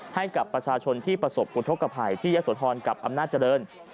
ให้กับประชาชนที่ประสบอุทธกภัยที่ยะโสธรกับอำนาจเจริญ